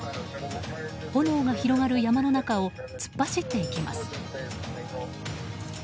炎が広がる山の中を突っ走っていきます。